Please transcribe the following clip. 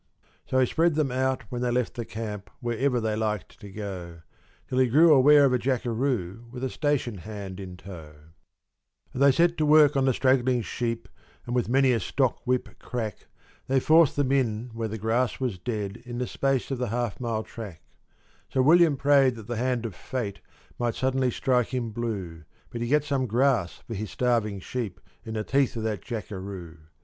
So he spread them out when they left the camp wherever they liked to go, Till he grew aware of a Jackeroo with a station hand in tow, And they set to work on the straggling sheep, and with many a stockwhip crack They forced them in where the grass was dead in the space of the half mile track; So William prayed that the hand of fate might suddenly strike him blue But he'd get some grass for his starving sheep in the teeth of that Jackeroo.